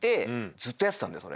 ずっとやってたんでそれ。